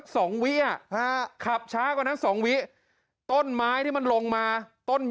สองวิอ่ะฮะขับช้ากว่านั้นสองวิต้นไม้ที่มันลงมาต้น